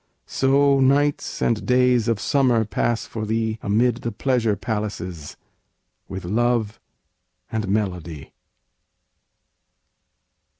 So Nights and Days of Summer pass for thee Amid the pleasure palaces, with love and melody!